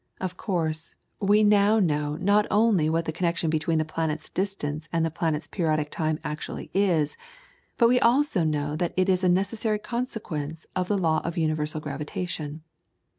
Of course, we now know not only what the connection between the planet's distance and the planet's periodic time actually is, but we also know that it is a necessary consequence of the law of universal gravitation.